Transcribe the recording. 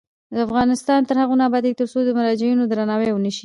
افغانستان تر هغو نه ابادیږي، ترڅو د مراجعینو درناوی ونشي.